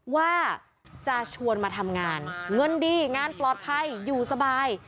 ว่าจะชวนมาทำงานเงินดีงานปลอดภัยอยู่สบาย